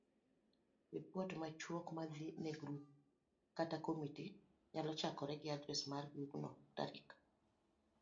Ripot machuok madhi ne grup kata komiti nyalo chakore gi adres mar grubno, tarik